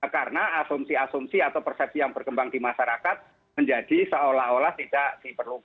karena asumsi asumsi atau persepsi yang berkembang di masyarakat menjadi seolah olah tidak diperlukan